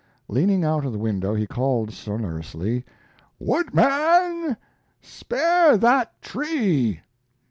Leaning out of the window he called sonorously, "Woodman, spare that tree!"